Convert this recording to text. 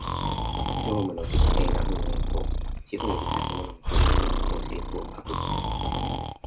業務の適正な運営と宅地及び建物の取引の公正とを確保